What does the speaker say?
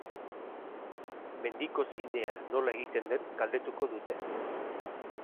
Mendiko zinea nola egiten den galdetuko dute.